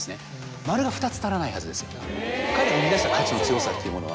彼らが生み出した価値の強さというものは。